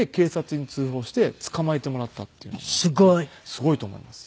すごいと思います。